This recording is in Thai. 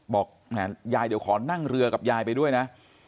บอกแหมยายเดี๋ยวขอนั่งเรือกับยายไปด้วยนะ